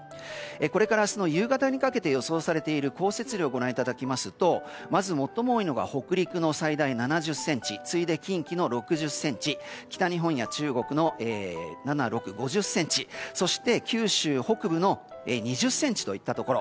これから明日の夕方にかけて予想されている降雪量をご覧いただきますとまず、最も多いのが北陸の最大７０ｃｍ次いで近畿の６０ｃｍ北日本や中国の７、６、５０ｃｍそして、九州北部の２０ｃｍといったところ。